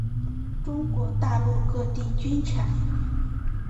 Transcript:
中国大陆各地均产。